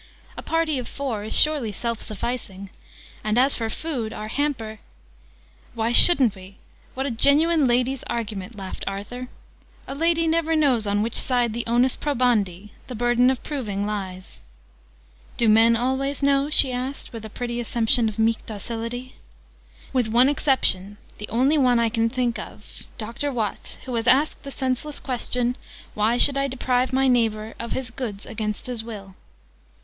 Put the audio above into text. "A party of four is surely self sufficing? And as for food, our hamper " "Why shouldn't we? What a genuine lady's argument!" laughed Arthur. "A lady never knows on which side the onus probandi the burden of proving lies!" "Do men always know?" she asked with a pretty assumption of meek docility. "With one exception the only one I can think of Dr. Watts, who has asked the senseless question, 'Why should I deprive my neighbour Of his goods against his will?'